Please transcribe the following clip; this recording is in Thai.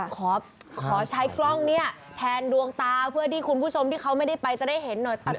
ขอใช้กล้องเนี่ยแทนดวงตาเพื่อที่คุณผู้ชมที่เขาไม่ได้ไปจะได้เห็นหน่อย